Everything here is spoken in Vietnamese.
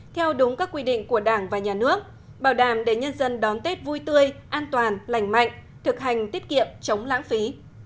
theo đúng các quy định của đảng và nhà nước bảo đảm để nhân dân đón tết vui tươi an toàn lành mạnh thực hành tiết kiệm chống lãng phí